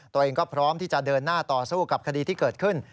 ตัวเองก็พร้อมที่จะเดินหน้าต่อสู้กับคดีที่เกิดขึ้น